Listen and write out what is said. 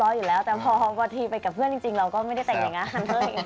เนียบร้อยหน่อยแต่พอพอทีไปกับเพื่อนเนียก็ไม่ได้แต่งหลายงานค่ะ